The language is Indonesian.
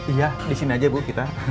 iya di sini aja bu kita